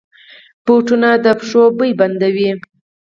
بوټونه د پښو بوی بندوي.